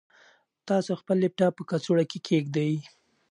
تاسو خپل لپټاپ په کڅوړه کې کېږدئ.